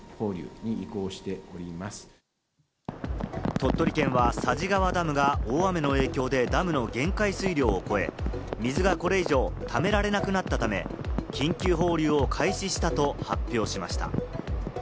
鳥取県は佐治川ダムが大雨の影響でダムの限界水量を超え、水がこれ以上、ためられなくなったため、緊急放流を開始したと発表しました。